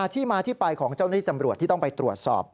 ที่มาที่ไปของเจ้าหน้าที่ตำรวจที่ต้องไปตรวจสอบ